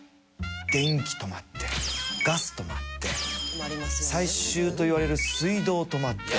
電気止まってガス止まって最終といわれる水道止まって。